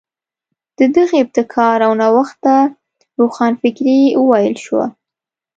د دغې ابتکار او نوښت ته روښانفکري وویل شوه.